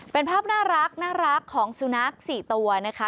เป็นภาพน่ารักของสุนัข๔ตัวนะคะ